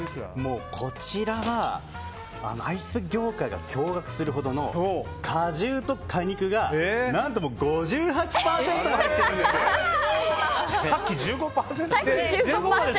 こちらはアイス業界が驚愕するほどの果汁と果肉が何と５８％も入っている。